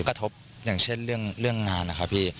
กระทบอย่างเช่นเรื่องงานนะครับพี่